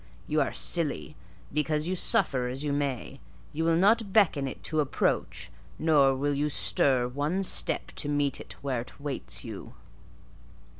You are silly, because, suffer as you may, you will not beckon it to approach, nor will you stir one step to meet it where it waits you."